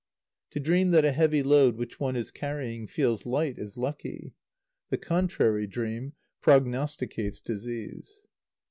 To dream that a heavy load which one is carrying feels light is lucky. The contrary dream prognosticates disease.